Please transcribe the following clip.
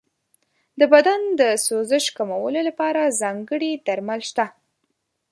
د بدن د سوزش کمولو لپاره ځانګړي درمل شته.